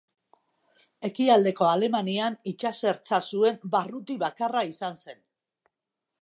Ekialdeko Alemanian itsasertza zuen barruti bakarra izan zen.